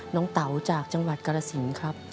เต๋าจากจังหวัดกรสินครับ